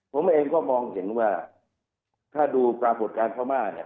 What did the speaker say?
ผมเองก็มองเห็นว่าถ้าดูปรากฏการณ์ภามาร์